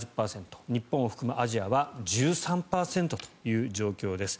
日本を含むアジアは１３％という状況です。